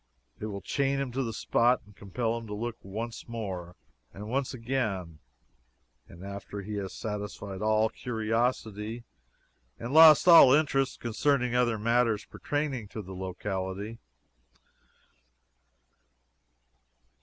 That will chain him to the spot and compel him to look once more, and once again, after he has satisfied all curiosity and lost all interest concerning the other matters pertaining to the locality.